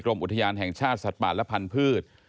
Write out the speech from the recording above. อุทยานแห่งชาติสัตว์ป่าและพันธุ์